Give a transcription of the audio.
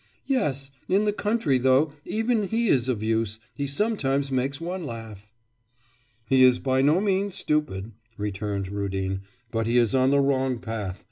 'Yes.... In the country though, even he is of use he sometimes makes one laugh.' 'He is by no means stupid,' returned Rudin, 'but he is on the wrong path.